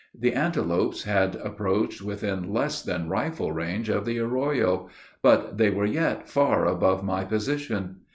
The antelopes had approached within less than rifle range of the arroyo; but they were yet far above my position.